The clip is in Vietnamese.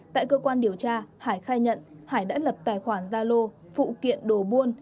tại cơ quan điều tra hải khai nhận hải đã lập tài khoản gia lô phụ kiện đồ buôn